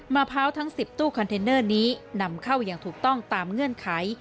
พร้าวทั้ง๑๐ตู้คอนเทนเนอร์นี้นำเข้าอย่างถูกต้องตามเงื่อนไข